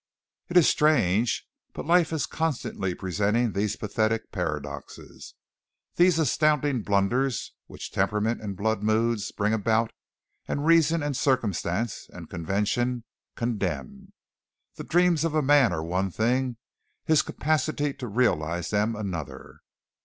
It is strange, but life is constantly presenting these pathetic paradoxes these astounding blunders which temperament and blood moods bring about and reason and circumstance and convention condemn. The dreams of man are one thing his capacity to realize them another.